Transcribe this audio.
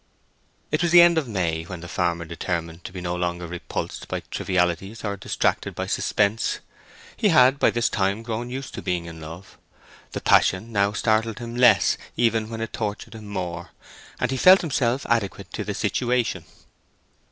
It was the end of May when the farmer determined to be no longer repulsed by trivialities or distracted by suspense. He had by this time grown used to being in love; the passion now startled him less even when it tortured him more, and he felt himself adequate to the situation.